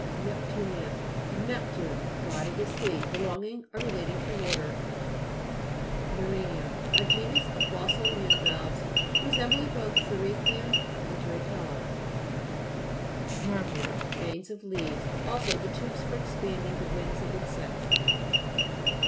NEPTUNIAN From Neptune, god of the sea. Belonging or relating to water, NERI'NEA A genus of fossil uni valves, resembling both Cere'thium and Turritella (p. 63). NERVCRES Veins of leaves. Also, the tubes for expanding the wings of insects.